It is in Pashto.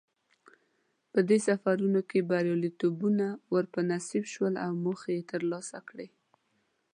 په دې سفرونو کې بریالیتوبونه ور په نصیب شول او موخې یې ترلاسه کړې.